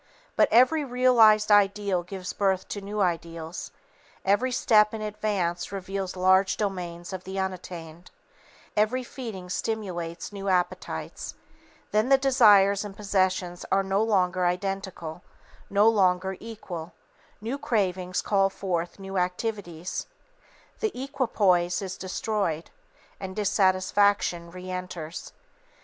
But every realized ideal gives birth to new ideals, every step in advance reveals large domains of the unattained; every feeding stimulates new appetites, then the desires and possessions are no longer identical, no longer equal; new cravings call forth new activities, the equipoise is destroyed, and dissatisfaction reenters.